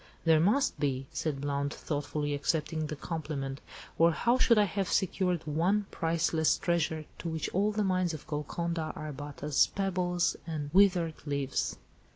"There must be," said Blount thoughtfully, accepting the compliment, "or how should I have secured one priceless treasure to which all the mines of Golconda are but as pebbles and withered leaves."